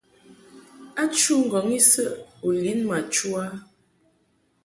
A chû ŋgɔŋ isəʼ u lin ma chu a ?